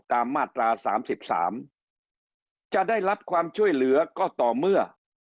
มาตรา๓๓จะได้รับความช่วยเหลือก็ต่อเมื่อ